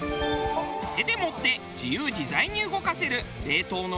手で持って自由自在に動かせる冷凍の卵黄や。